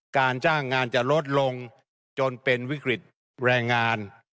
การจ้างงานจะลดลงจนเป็นวิกฤตแรงงาน